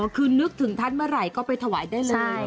คือนึกถึงท่านเมื่อไหร่ก็ไปถวายได้เลย